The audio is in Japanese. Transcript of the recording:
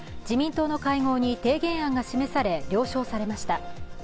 自民党の会合に提言案が示され了承されました。